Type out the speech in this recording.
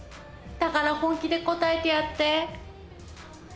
だから本気で答えてやって。